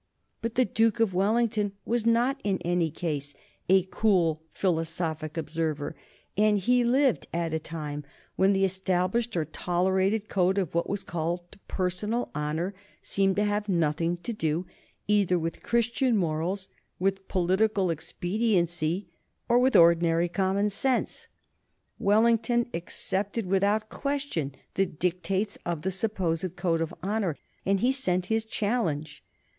But the Duke of Wellington was not in any case a cool, philosophic observer, and he lived at a time when the established or tolerated code of what was called personal honor seemed to have nothing to do either with Christian morals, with political expediency, or with ordinary common sense. Wellington accepted without question the dictates of the supposed code of honor, and he sent his challenge.